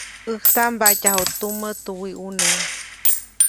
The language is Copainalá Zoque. ʼÄjtaʼm mbatyajuʼt tumä tuwiʼuneʼ.